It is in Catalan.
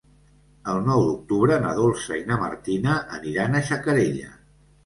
El nou d'octubre na Dolça i na Martina aniran a Xacarella.